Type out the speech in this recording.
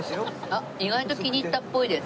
あっ意外と気に入ったっぽいです。